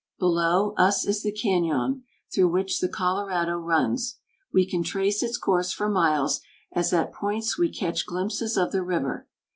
Below, us is the cañon, through which the Colorado runs. We can trace its course for miles, as at points we catch glimpses of the river.